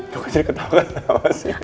kok jadi ketawa ketawa sih